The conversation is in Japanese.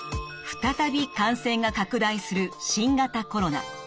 再び感染が拡大する新型コロナ。